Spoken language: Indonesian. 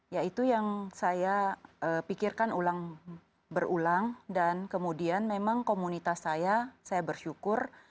ya itu yang saya pikirkan berulang dan kemudian memang komunitas saya saya bersyukur